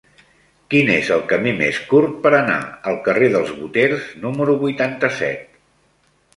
Quin és el camí més curt per anar al carrer dels Boters número vuitanta-set?